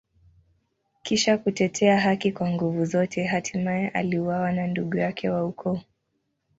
Kisha kutetea haki kwa nguvu zote, hatimaye aliuawa na ndugu yake wa ukoo.